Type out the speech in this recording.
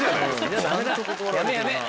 やめやめ！